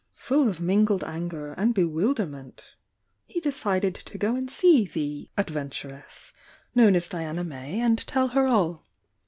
' Full of mingled anger and bewilderment he decid ed to go and see the "adventuress" known as Diana May and tell her all.